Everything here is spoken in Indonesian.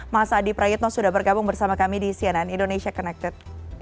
mas adi prayitno sudah bergabung bersama kami di cnn indonesia connected